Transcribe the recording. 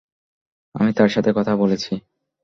আমি তার সাথে কথা বলেছি।